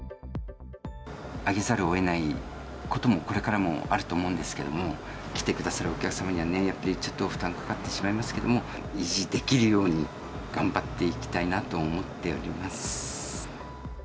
上げざるをえないこともこれからもあると思うんですけれども、来てくださるお客様には、ちょっと負担かかってしまいますけど、維持できるように頑張っていきたいなと思っております。